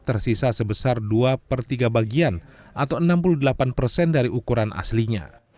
tersisa sebesar dua per tiga bagian atau enam puluh delapan persen dari ukuran aslinya